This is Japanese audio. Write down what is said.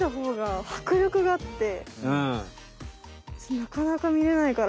なかなかみれないから。